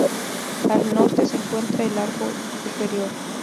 Al norte se encuentra el lago Superior.